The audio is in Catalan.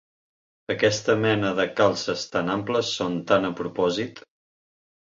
Aquesta mena de calces tan amples són tant a propòsit!